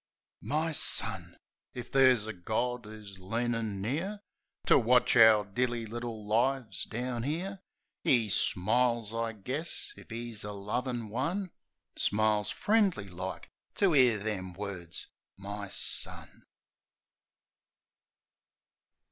My son! ... If ther's a Gawd 'Oo's leanin' near To watch our dilly little lives down 'ere, 'E smiles, I guess, if 'E's a lovin' one — Smiles, friendly like, to 'ear them words — My son.